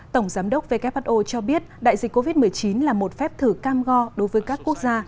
tổng giám đốc who cho biết đại dịch covid một mươi chín là một phép thử cam go đối với các quốc gia